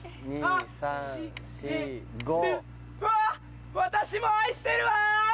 うわっ私も愛してるわ！